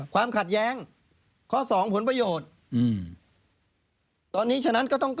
ความขัดแย้ง